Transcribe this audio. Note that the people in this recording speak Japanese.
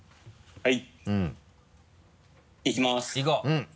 はい。